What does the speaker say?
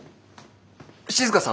静さん。